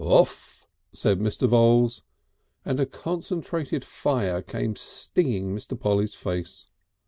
"Off!" said Mr. Voules, and a concentrated fire came stinging Mr. Polly's face.